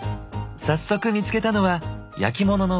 早速見つけたのは焼き物のブローチ。